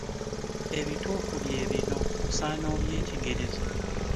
Ebituufu bye bino osaana obyetegereze.